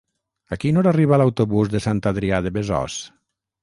A quina hora arriba l'autobús de Sant Adrià de Besòs?